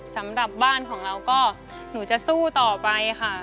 สำหรับบ้านของเราก็หนูจะสู้ต่อไปค่ะ